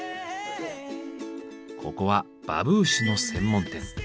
ここはバブーシュの専門店。